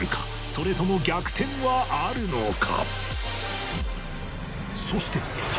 それとも逆転はあるのか？